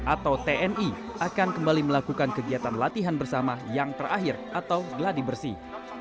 atau tni akan kembali melakukan kegiatan latihan bersama yang terakhir atau gladi bersih